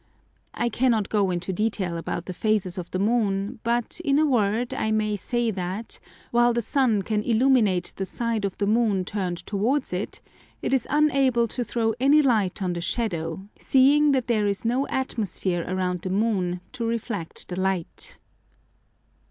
I cannot go into detail about the phases of the moon; but, in a word, I may say that, while the sun can illuminate the side of the moon turned towards it, it is unable to throw any light on the shadow, seeing that there is no atmosphere around the moon to refract the light.